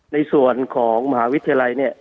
ในส่วนของมหาวิทยาลัย